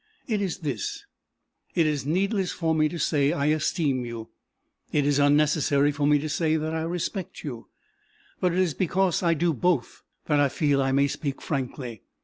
"It is this: It is needless for me to say I esteem you; it is unnecessary for me to say that I respect you, but it is because I do both that I feel I may speak frankly.